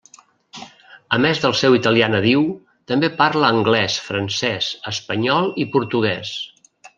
A més del seu italià nadiu, també parla anglès, francès, espanyol i portuguès.